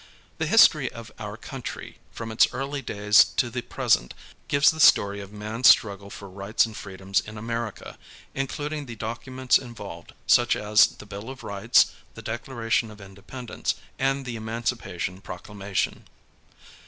The history of our country, from its early days to the jiresent. gives the story of man's struggle for rights and freedom in America, including the documents involved, such as the Bill of Rights, the Declaration of Independence, and the Emancipation Proclamation.